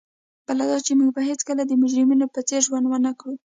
بل دا چي موږ به هیڅکله د مجرمینو په څېر ژوند ونه کړو.